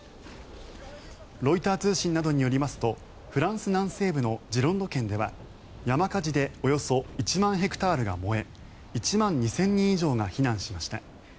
ロイター通信などによりますとフランス南西部のジロンド県では山火事でおよそ１万ヘクタールが燃え１万２０００人以上が避難しました。